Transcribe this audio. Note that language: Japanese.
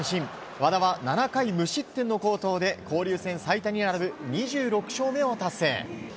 和田は７回無失点の好投で交流戦最多に並ぶ２６勝目を達成。